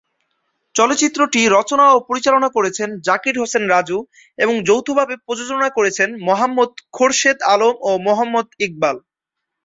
চলচ্চিত্রটি রচনা ও পরিচালনা করেছেন জাকির হোসেন রাজু এবং যৌথভাবে প্রযোজনা করেছেন মুহাম্মাদ খোরশেদ আলম ও মোহাম্মদ ইকবাল।